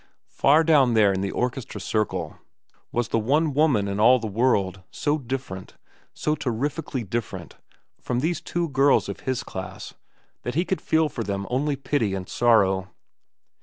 Far down there in the orchestra circle was the one woman in all the world, so different, so terrifically different, from these two girls of his class, that he could feel for them only pity and sorrow.